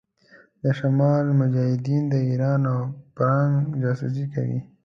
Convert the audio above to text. د شمال مجاهدين د ايران او فرنګ جاسوسي کوي.